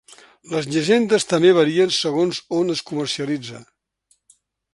Les llegendes també varien segons on es comercialitza.